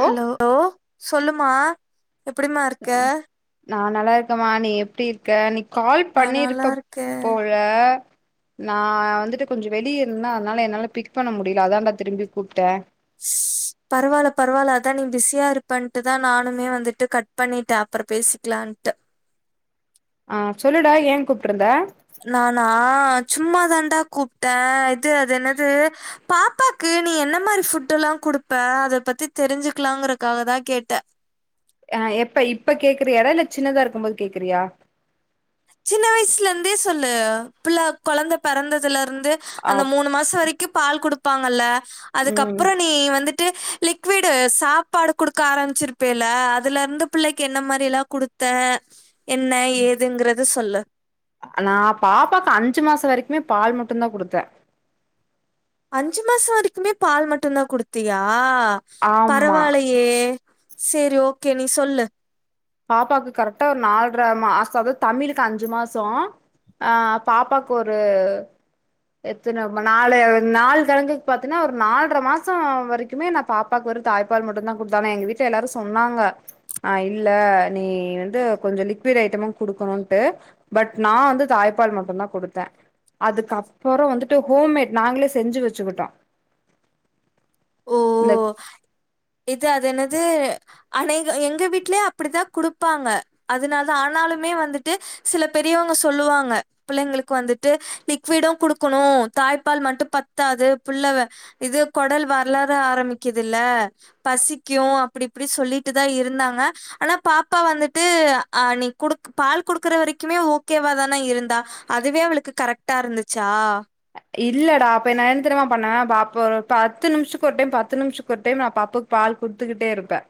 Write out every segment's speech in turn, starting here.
ஓ low சொல்லுமா எப்டிமா இருக்க நா நல்லா இருக்கமா நீ எப்டி இர்க்க நீ கால் நா நல்லா பண்ணிருப்ப இருக்கே போல நா வந்துட்டு கொஞ்சோ வெளிய இருந்தே அதனால என்னால பிக் பண்ண முடில அதான்டா திரும்பி கூப்பிட்ட பரவாயில்ல பரவால அதா நீ பிஸியா இருப்பன்ட்டுதா நானுமே வந்துட்டு கட் பண்ணிட்டே அப்புறோ பேசிக்கலான்ட்டு அ சொல்லுடா ஏ கூப்டுருந்த நானா சும் சும்மா தாண்டா கூப்பிட்டே இது அது என்னது பாப்பாக்கு நீ என்ன மாரி ஃபுட்ல்லா குடுப்ப அத பத்தி தெரிஞ்சுக்கலாங்கறதுக்காகதா கேட்டே அ எப்ப இப்ப கேக்குறியாடா இல்ல சின்னதா இருக்கும் போது கேக்குறியா சின்ன வயசுல இருந்தே சொல்லு புள்ள கெழந்த பெறந்ததுல இருந்து ஆ அந்த மூணு மாச வரைக்கு க்கு பால் குடுப்பாங்கல்ல ம் அதுக்கப்புறோ நீ வந்து லிக்விடு சாப்பாடு குடுக்க ஆரம்பிச்சிருப்பேல அதுல இருந்து பிள்ளிக்கு என்ன மாரில்லா குடுத்த என்ன ஏதுங்குர்த் சொல்லு நா பாப்பாக்கு அஞ்சு மாச வரைக்குமே பால் மட்டு தா குடுத்த அஞ்சு மாச வரைக்குமே பால் மட்டுதா குடுத்தியா அ ஆமா பரவாலயே செரி ஓகே நீ சொல்லு பாப்பாக்கு கரெக்டா ஒரு நாலரை மாச அதாவ்து தமிழுக்கு அஞ்சு மாசோ அ பாப்பாக்கு ஒரு எத்துன நாலு கிழங்குக்கு பாத்தீன்னா ஒரு நால்ர மாசோ வரைக்குமே நா பாப்பாக்கு வெறு தாய்ப்பால் மட்டு தா குடுத்தே ஆனா எங்க வீட்ல எல்லாரு சொன்னாங்க அ இல்ல நீ வந்து கொஞ்சோ லிக்விட் ஐட்டமு குடுக்கணும்ட்டு பட் நா வந்து தாய்ப்பால் மட்டு தா குடுத்த அதுக்கப் அப்றோ வந்துட்டு ஹோம்மேட் நாங்களே செஞ்சு வெச்சுக்கிட்டோ ஓ இது அது என்னது அநேக எங்க வீட்லயு அப்டிதா குடுப்பாங்க அதனாலதா ஆனாலுமே வந்துட்டு சில பெரியவங்க சொல்லுவாங்க பிள்ளிங்களுக்கு வந்துட்டு லிக்விடும் குடுக்கணு தாய்ப்பால் மட்டு பத்தாது புள்ள இது கொடல் வர வளர ஆரம்பிக்குதுல்ல பசிக்கு அப்டி இப்டி சொல்லிட்டு தா இருந்தாங்க ஆனா பாப்பா வந்துட்டு அ நீ குடு பால் குடுக்குற வரைக்குமே ஓகேவாதானா இருந்தா அதுவே அவளுக்கு கரெக்டா இருந்துச்சா இல்லடா அப்ப நா என்ன தெரியுமா பண்ண பாப்ப ஒரு பத்து நிமிஷத்துக்கு ஒரு டைம் பத்து நிமிஷத்துக்கு ஒரு டைம் நா பாப்புக்கு பால் குடுத்துக்கிட்டே இருப்பே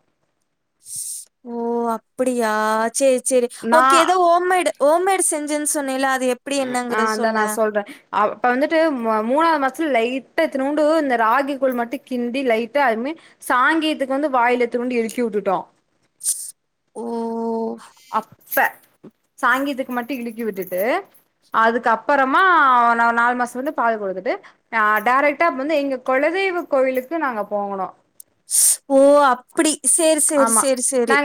ஓ அப்பிடியா சேர் சேர் நா ஓகே ஏதோ ஹோம்மேடு ஹோம்மேடு் செஞ்ச செஞ்சேனு சொன்னேல அது எப்படி அ என்னங்கறத இந்தா நா சொல்லேன் சொல்ற இப்ப வந்துட்டு மூணாவ்து மா லைட்டா இத்துனூண்டு இந்த ராகிக்கூழ் மட்டு கிண்டி லைட்டா அதுமே சாங்கியத்துக்கு வந்து வாயில இத்துனூண்டு இழிக்கி விட்டுட்டோ ஓ அப்ப சாங்கியத்துக்கு மட்டு இடுக்கி விட்டுட்டு அதுக்கு அப்புறமா நா நாலு மாச வந்து பால் குடுத்துட்டு டேரெக்ட்டா வந்து எங்க குலதெய்வ கோயிலுக்கு நாங்க போனோ ஓ அப்புடி சரி சரி சரி சரி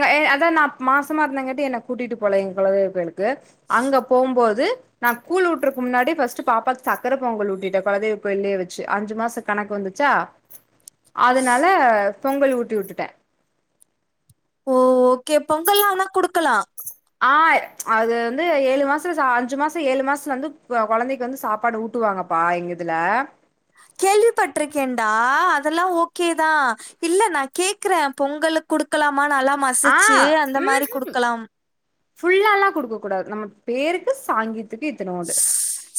மாஸ் மாசமா இருந்த கட்டு என்னை கூட்டிட்டுபோகல எ குலதெய்வ கோயிலுக்கு க அங்க போம்போது நா கூழ் ஊட்டுறக்கு முன்னாடி பஸ்ட் பாப்பாக்கு சக்கர பொங்கல் ஊட்டிட்டே கொலதெய் கோய்லயே வச்சு அஞ்சு மாச கணக்கு வந்துச்சா அதனால பொங்கல் ஊட்டி விட்டுட்டே ஓ ஓகே பொங்கல்லா ஆனா குடுக்கலா ஆ அது வந்து ஏழு மாசத்துல அஞ்சு மாச ஏழு மாசதுல வந்து கு கொழந்தைக்கு வந்து சாப்பாடு ஊட்டுவாங்கப்பா எங்கதுல கேள்விப்பட்ருக்கேன்டா அதெல்லா ஓகேதா இல்ல நா கேக்குற பொங்கலுக் குடுக்கலா மா நல்லா ஆ மசிச்சு அந்த ம்ஹூ மாரி குடுக்கலாம் ஃபுல்லால்லா குடுக்கக்கூடாது நம்ம பேருக்கு சாங்கீத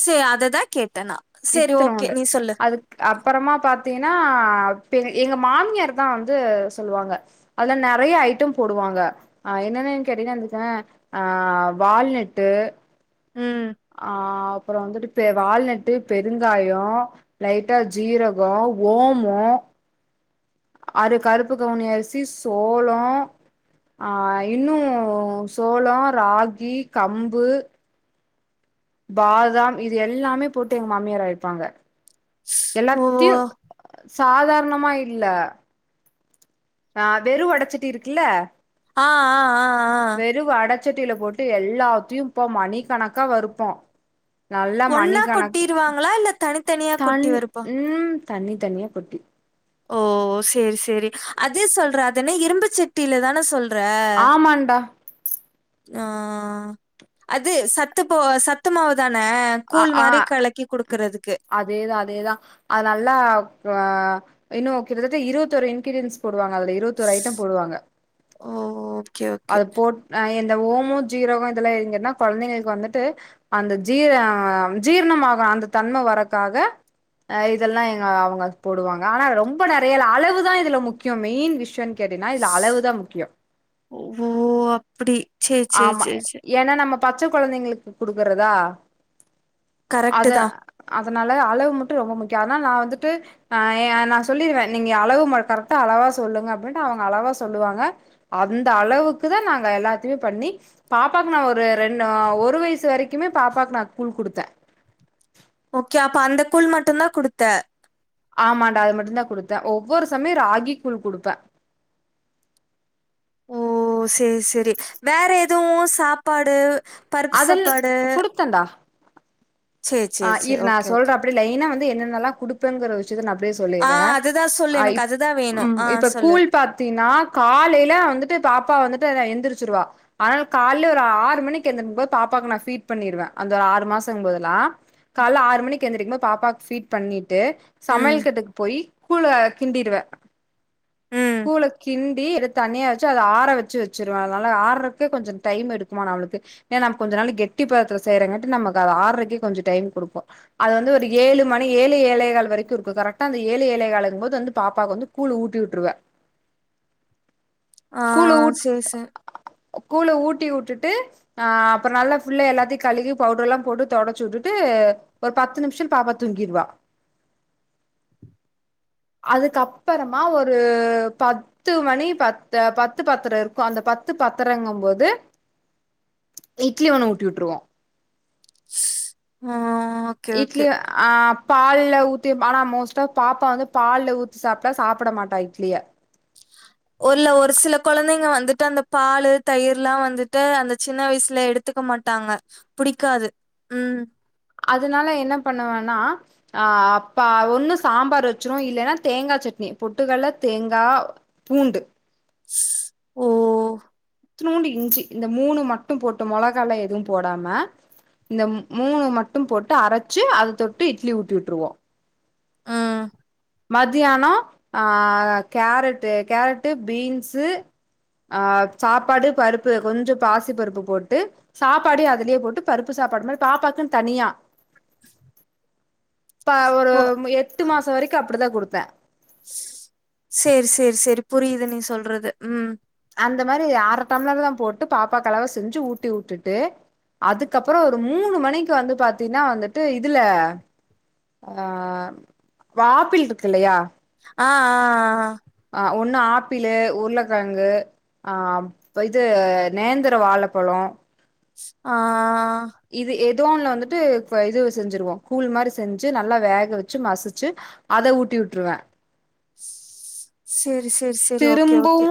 சே அததா கேட் இத்துனோன்டு அதுக் அப்பறமா பாத் பாத்தீன்னா பெ எங்க மாமியார் தா வந்து சொல்லுவாங்க அதுல நெறைய ஐட்டம் போடுவாங்க ஆ என்னன்னன்னு கேட்டீன்னா எடுத்தொன்ன ஆ வால்நட்டு ம் ஆ அப்புற வந்துட்டு இப்ப வால்நட்டு பெருங்காய லைட்டா ஜீரக ஓமோ அறு கருப்புக்கவுனி அரிசி சோளோ ஆ இன்னு சோளோ ராகி கம்பு பாதாம் இது எல்லாமே போட்டு எங்க மாமியார் அரைப்பாங்க ஓ எல்லாத்தையு சாதா ரணமா இல்ல ஆ வெறு வடச்சட்டி இருக்குல்ல ஆ ஆ ஆ ஆ ச்சட்டில போட்டு எல்லாத்தையு இப்போ மணிக்கணக்கா வறுப்போ நல்லா ஒன்னா மணிக்கணக் கொட்டிருவாங்களா இல்ல தனித்தனியா கொட்டி வறுப்பா தனித்தனியா கொட்டி ஓ சேரி சேரி அதே சொல்ற அது என்ன இரும்புச்சட்டில தான சொல் ஆமாண்டா ஆ அது சத்து போ சத்துமாவுதா ஆ ஆ அதேதா அதேதா அது நல்லா ஆ இன்னு கிட்டத்தட்ட இருவத்தோரு இ்ன்கிரீடியன்ஸ் போடுவாங்க அதுல இருவத்தோரு ஐட்டம் போடுவாங்க ஓ ஓ அது போட் நா என் ட்ட ஓமோ ஜீரகோ இதெல்லா இருந்துதுன்னா கொழந்தைங்களுக்கு வந்துட்டு அந்த ஜீர அ ஜீரணமாக அந்த தன்ம வரக்காக ஆ இதெல்லா எங்க அவுங்க போடுவாங்க ஆனா அது ரொம்ப நெறையல்லா அளவுதா இதுல முக்கியோ மெயின் விஷ்ய கேட்டீன்னா இதுல அளவுதா முக்கியோ ஓ அப்டி ஆமா ஏனா நம்ம பச்ச கொழந்தைங்களுக்கு குடுக்குறதா கரெக்ட்டு அத தான். அதனால அளவு மட்டு ரொம்ப முக்கியோ அதனால நா வந்துட்டு ஆ ஏ நா சொல்லிருவே நீங்க அளவு மட் கரெக்டா அளவா சொல்லுங்க அப்டின்ட்டு அவுங்க அளவா சொல்லுவாங்க அந்த அளவுக்குதா நாங்க எல்லா த்தையு பண்ணி பாப்பாக்கு நா ஒரு ரெண்‌டு ஆ‌ ஒரு வயசு வரைக்குமே பாப்பாக்கு நா கூழ் குடுத்தே ஓகே அப்ப அந்த கூழ் மட்டுந்தா குடுத்த ஆமாண்டா அது மட்டுந்தா குடுத்த ஒவ்வொரு சமயோ ராகி கூழ் குடுப்பே ஓ சேரி சேரி வேற எ துவு சாப்பாடு பருப்பு அதன் சாப்பாடு குடுத்தண்டா சரி, ஆ சரி, சரி. இரு நா ஓகே, ஓகே. சொல்றே அப்டியே லைனா வந் து என்னெல்லா குடுப்பேங்கிற விஷ்யத்த நா அப்டியே ஆ சொல்லிறே அதுதான் சொல்லு. அ எனக்கு இப் அதுதான் வேணும். ம் ஆ இப்ப சொல்லு. கூழ் பாத்தீன்னா காலைல வந்துட்டு பாப்பா வந்து எந்திருச்சவா ஆனா காலைல ஒரு ஆறு மணிக்கு எந்திரிக்கும்போ பாப்பாக்கு நா ஃபீட் பண்ணிவே அந்த ஆறு மாசங் போதுல்லா கால்ல ஆறு மணிக்கு எந்திரிக்குபோ பாப்பாக்கு ஃபீட் பண்ணி ட்டு சமையல் ம், கட்டுக்கு போய் கூழ கிண்டிடுவே ம். கூல கிண்டி அத தனியா வெச்சு அத ஆற வெச்சு வெச்சுருவே அதனால ஆறக்கு கொஞ்ச டைம் எடுக்குமா நா அவ்ளுக்கு ஏனா கொஞ்ச நாள் கெட்டி பதத்துல செய்றங்காட்டி நமக்கு அது ஆறக்கே கொஞ்ச டைம் குடுப்போ அத வந்து ஏழு மணி ஏழு ஏழகால் வரைக்கு இருக்கு கரெட்டா ஏழு ஏழகாலும்போது வந்து பாப்பாக்கு வந்து கூழ் ஊட்டி உட்ருவே ஆ சேர் சே கூழ ஊட்டி உட்டுட்டு ஆ அப்புற நல்லா ஃபுல்லா எல்லாத்தி கழுவி பவுடர்ல்லா போட்டு தொடச்சி உட்டு ட்டு ஒரு பத்து நிம்ஷோ பாப்பா தூங்கிருவா அதுக்கப்பறமா ஒரு பத்து மணி பத்து பத்து பத்திர இருக்கு அந்த பத்து பத்திரங்குபோது இட்லி ஒன்னு ஊட்டி உட்டுருவோ ஆ ஓகே, ஓகே. இட்லி ஆ பால்ல ஊத்தி ஆனா மோஸ்ட்டா பாப்பா வந்து பால்ல ஊத்தி சாப்ட்டா சாப்பிட மாட்டா இட்லிய ஒருல்ல ஒரு சில கொழந்தைங்க வந்துட்டு அந்த பாலு தயிர்ல்லா வந்துட்டு அந்த சின்ன வயசுல எடுத்துக்க மாட்டாங்க புடிக்காது ம் அதுனால என்ன பண்ணுவனா ஆ அப்பா ஒன்னு சாம்பார் வெச்சிருவோ இல்லைன்னா தேங்கா சட்னி பொட்டுக்கல்ல தேங்கா பூண்டு ஓ இத்நூண்டு இஞ்சி இந்த மூணு மட்டு போட்டு மொளகால எது போடாம இந்த மூணு மட்டு போட்டு அரச்சு அத தொட்டு இட்லி ஊட்டி உட்ருவோ ம். மதியானோ ஆ கேரட்டு கேரட்டு பீன்ஸு ஆஹ் சாப்பாடு பருப்பு கொஞ்ச பாசி பருப்பு போட்டு சாப்பாடு அதுலயே போட்டு பருப்பு சாப்பாடு மாரி பாப்பாக்குன் தனியா இப்ப ஒரு ஓ! எட்டு மாசோ வரைக் அப்டிதா குடுப்பே சேரி சேரி சேரி புரியிது நீ சொல்றது ம் அந்த மாரி அர டம்ளர் தா போட்டு பாப்பாக்களவா செஞ்சு ஊட்டி உட்டுட்டு அதுக்கப்புறோ ஒரு மூணு மணிக்கு வந்து பாத்தீனா வந்துட்டு இதுல ஆ வாப்பிள் இருக்கில்லையா ஆ ஆ ஆ அ ஒன்னு ஆப்பிளு உருளக்கிழங்கு ஆப் இது நேந்திர வாழப்பழோ ஆ இது எ தோன்ல வந்துட்டு ப இது செஞ்சிருவோ கூழ் மாரி செஞ்சு நல்லா வேக வச்சு மசிச்சு அத ஊட்டி உட்ருவே சரி சரி சரி ஓகே ஓகே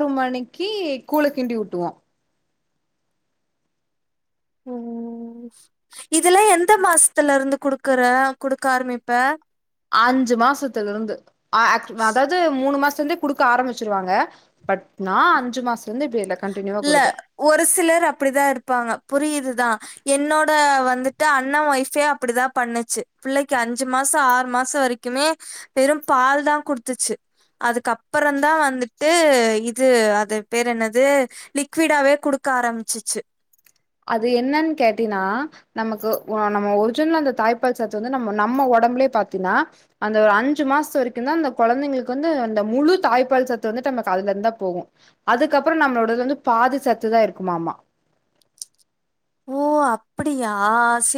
ஒரு மணிக்கு கூழ கிண்டி விட்டுவோ ம் இதல்லா எந்த மாசத்துல இருந்து குடுக்குற குடுக்க ஆரம்பிப்ப அஞ்சு மாசத்துல இருந்து ஆ [unintelligible] அதாவது மூணு மாச சந்தே குடுக்க ஆரம்பிச்சிருவாங்க பட் நா அஞ்சு மாச இல்ல ஒரு சிலர் அப்படிதா இருப்பாங்க புரியுதுதா என்னோட வந்துட்டு அண்ண ஒய்ஃபே அப்டிதா பண்ணுச்சு பிள்ளைக்கு அஞ்சு மாச ஆறு மாச வரைக்குமே வெற பால் தா குடுத்துச்சு அதுக்குப்புறந்தா வந்துட்டு இது அது பேர் என்னது து லிக்விடாவே குடுக்க ஆரம்பிச்சிச்சு அது என்னன்னு கேட்டீன்னா நமக்கு நம்ம ஒரிஜினல் அந்த தாய்ப்பால் சத்து வந்து நம்ம நம்ம ஒடம்புலயே பாத்தீன்னா அந்த ஒரு அஞ்சு மாச வரைக்கு தா அந்த குழந்தைங்களுக்கு வந்து அந்த முழு தாய்ப்பால் சத்து வந்துட்டு நமக்கு அதுல இருந்துந்தா போகு அதுக்கப்புற நம்மளோட வந்து பாதி சத்து தா இருக்குமாமா ஓ அப்படியா ஸ்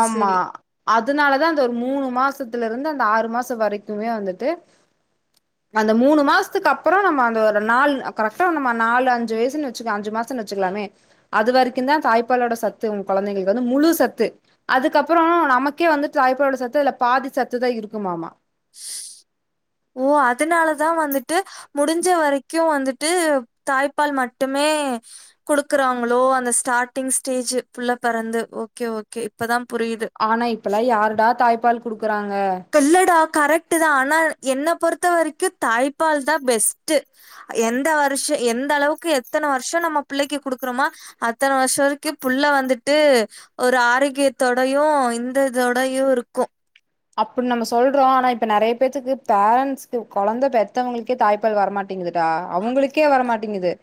ஆமா அதனாலதா அந்த ஒரு மூணு மாசத்துல இருந்து அந்த ஆறு மாச வரைக்குமே வந்துட்டு அந்த மூணு மாசத்துக்கு அப்பற நம்ம அந்த நால கரெக்டா நம்ம நாலு அஞ்சு வயசுன்னு வச்சுக்கோ அஞ்சு மாச வச்சுக்கலாமே அது வரைக்கும் தா தாய்ப்பாலோட சத்து உங்க குழந்தைங்களுக்கு வந்து முழு சத்து அதுக்கப்புறோ நமக்கே வந்துட்டு தாயப்பாலோட சத்து இதுல பாதி சத்துதா இருக்குமாமா ஓ அதனாலதா வந்துட்டு முடிஞ்ச வரைக்கு வந்துட்டு தாய்ப்பால் மட்டுமே குடுக்குறாங்களோ அந்த ஸ்டார்டிங் ஸ்டேஜ் புள்ள பெறந்து ஓகே ஓகே இப்பதா ஆனா இப்பல்லா யாருடா தாய்ப்பால் குடுக்குறாங்க கல்லடா கரெக்ட தா ஆனா என்ன பொறுத்த வரைக்கு தாய்ப்பால் தா பெஸ்ட்டு எந்த வருஷ எந்த அளவுக்கு எத்தனை வருஷ நம்ம பிள்ளைக்கு குடுக்குறோமா அத்தன வருஷ வரைக்கு புள்ள வந்துட்டு ஒரு ஆரோக்கியத்தோடையு இந்ததோடையு இருக்கு அப்டி நம்ம சொல்றோ ஆனா இப்ப நெறைய பேத்துக்கு பேரண்டட்ஸ்கு கொழந்தை பெத்தவங்களுக்கே தாய்ப்பால் வரமாட்டேங்குதுடா அவங்களுக்கே வரமாட்டேங்குது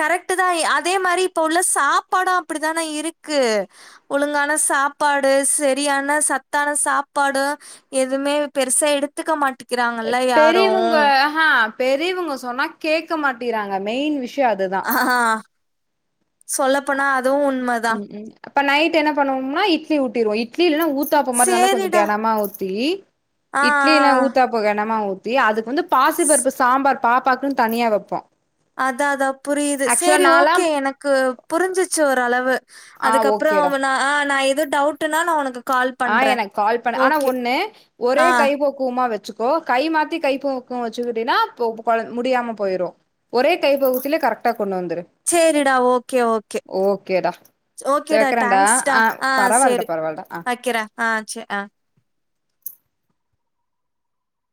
கரெக்ட் தா அதே மாரி இப்ப உள்ள சாப்பாடு அப்டித்தானே இருக்கு ஒழுங்கான சாப்பாடு சரியான சத்தான சாப்பாடு எதுவுமே பெருசா எடுத்துக்க மாட்டிக் பெரியவங்க அஹா பெரியவங்க சொன்னா கேக் க மாட்டிறாங்க மெயின் விஸ் ய அதுதா ஆ சொல்லப்போனா அது அதுவு உண்மைதா ப்ப நைட் என்ன பண்ணுவோனா இட்லி ஊத்திருவோ இட்ல இல்லனா உ ஊத்தாப்ப மாரி நல்லா கொஞ்ச சேரிடா. கனமா ஊத்தி ஆ இட்லியிலா ஆ. ஊத்தாப்ப கனமா ஊ அதுக்கு வந்துப் பாசிபருப்பு சாம்பார் பாப்பாக்குன் தனியா வைப்போ அத அதா புரியுது சேரி நாலா ஓகே எனக்கு புரிஞ்சிச்சு ஒரு அளவு ஆ அதுக்கப்புற ஓகேடா ஆ நா து டவுட்டுனா நா ஒனக்கு ஆ எனக்கு கால் பண்ண ஆனா ஒண்ணு ஒரே ஆ கைபோக்குவமா வச்சு கோ கை மாத்தி கைப்பக்கு வச்சுக்கிட்டினா [unintelligible] முடியாம போய்ரு ஒரே கைப்பகுத்திலே கரெக்டா கொண்டு வந்துரு சரிடா ஓகே ஓகே ஓகேடா சேரி ஓகேடா வெக்கறேன்டா டங்க்ஸ்டா ஆ பரவால்லடா சரி பரவால்லடா ஆ வக்கற அ செர் அ